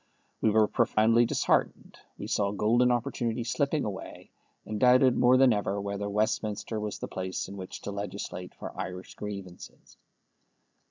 We were profoundly disheartened. We saw golden opportunities slipping away, and doubted more than ever whether Westminster was the place in which to legislate for Irish grievances.